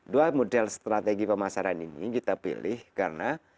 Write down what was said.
dua model strategi pemasaran ini kita pilih karena